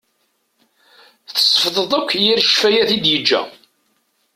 Tessefḍeḍ akk yir ccfayat i d-yeǧǧa.